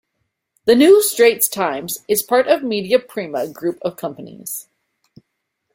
The "New Straits Times" is part of Media Prima group of companies.